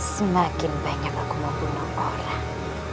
semakin banyak aku membunuh apa orang